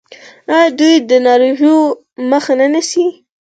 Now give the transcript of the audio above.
آیا دوی د ناروغیو مخه نه نیسي؟